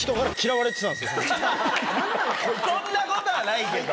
そんなことはないけど！